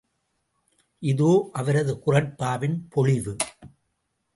இதோ அவரது குறட்பாவின் பொழிவு!